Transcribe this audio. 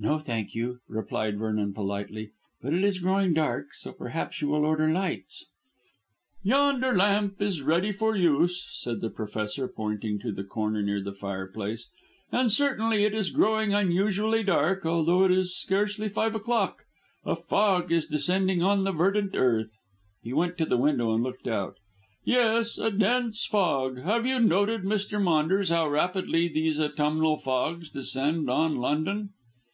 "No, thank you," replied Vernon politely; "but it is growing dark, so perhaps you will order lights." "Yonder lamp is ready for use," said the Professor, pointing to the corner near the fireplace, "and certainly it is growing unusually dark, although it is scarcely five o'clock. A fog is descending on the verdant earth." He went to the window and looked out. "Yes, a dense fog. Have you noted, Mr. Maunders, how rapidly these autumnal fogs descend on London?"